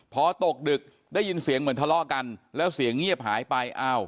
พอตกดึกได้ยินเสียงเหมือนทะเลาะกันแล้วเสียงเงียบหายไป